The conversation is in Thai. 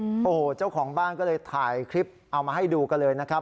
โอ้โหเจ้าของบ้านก็เลยถ่ายคลิปเอามาให้ดูกันเลยนะครับ